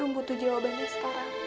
rum butuh jawabannya sekarang